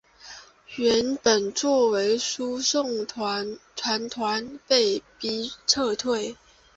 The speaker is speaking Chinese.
原本作为输送船团而被逼撤退。